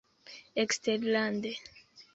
Eksterlande.